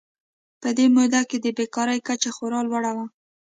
په دې موده کې د بېکارۍ کچه خورا لوړه وه.